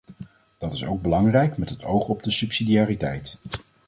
Dat is ook belangrijk met het oog op de subsidiariteit.